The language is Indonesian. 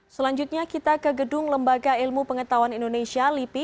selanjutnya kita ke gedung lembaga ilmu pengetahuan indonesia lipi